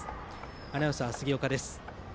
アナウンサー、杉岡です。